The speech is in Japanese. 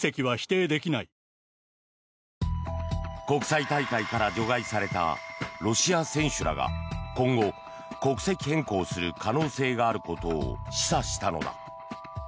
国際大会から除外されたロシア選手らが今後、国籍変更する可能性があることを示唆したのだ。